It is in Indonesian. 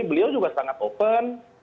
beliau juga sangat open